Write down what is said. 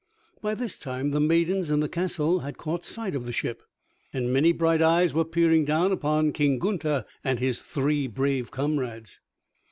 By this time the maidens in the castle had caught sight of the ship, and many bright eyes were peering down upon King Gunther and his three brave comrades.